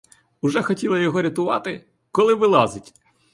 Уже хотіли його рятувати, коли вилазить!